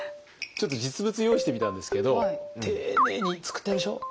ちょっと実物用意してみたんですけど丁寧に作ってあるでしょう？